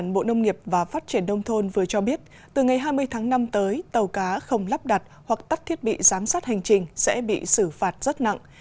bộ nông nghiệp và phát triển đông thôn vừa cho biết từ ngày hai mươi tháng năm tới tàu cá không lắp đặt hoặc tắt thiết bị giám sát hành trình sẽ bị xử phạt rất nặng